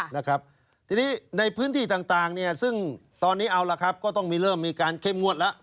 นะครับทีนี้ในพื้นที่ต่างเนี่ยซึ่งตอนนี้เอาละครับก็ต้องมีเริ่มมีการเข้มงวดแล้ว